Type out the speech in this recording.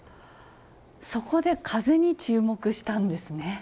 そこで風に注目したんですね。